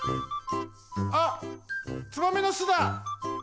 あっツバメの巣だ。